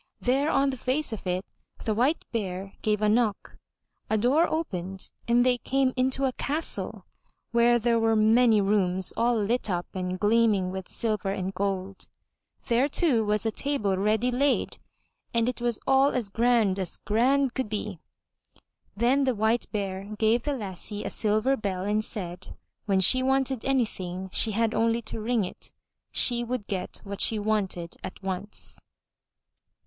There, on the face of it, the White Bear gave a knock, a door opened and they came into a castle, where there were many rooms all lit up and gleaming with silver and gold. There too was a table ready laid, and it was all as grand as grand could be. Then the White Bear gave the lassie a silver bell and said when she wanted anything she had only to ring it. She would get what she wanted at once.